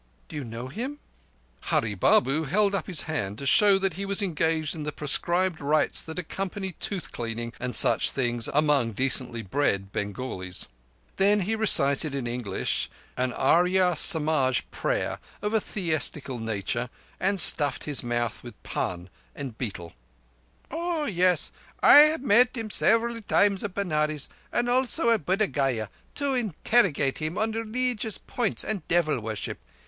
"Do you know him?" Hurree Babu held up his hand to show he was engaged in the prescribed rites that accompany tooth cleaning and such things among decently bred Bengalis. Then he recited in English an Arya Somaj prayer of a theistical nature, and stuffed his mouth with pan and betel. "Oah yes. I have met him several times at Benares, and also at Buddh Gaya, to interrogate him on releegious points and devil worship.